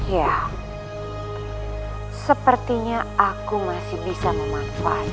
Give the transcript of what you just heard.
ya sepertinya aku masih bisa memanfaatkan